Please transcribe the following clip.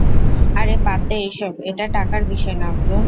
আরে বাদ দে এইসব, এটা টাকার বিষয় না, অর্জুন।